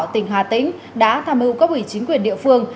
tỉnh hà tĩnh đã tham hưu các ủy chính quyền địa phương